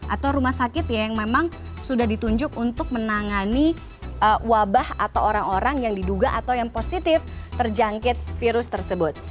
atau rumah sakit yang memang sudah ditunjuk untuk menangani wabah atau orang orang yang diduga atau yang positif terjangkit virus tersebut